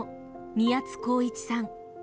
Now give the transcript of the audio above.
宮津航一さん